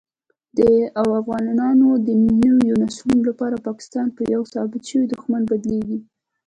او دافغانانو دنويو نسلونو لپاره پاکستان په يوه ثابت شوي دښمن بدليږي